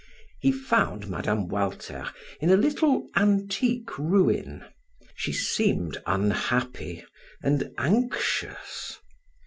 He found Mme. Walter in a little antique ruin; she seemed unhappy and anxious.